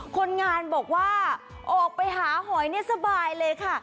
คนงานบอกว่าออกไปหาหอยนี่สบายเลยค่ะ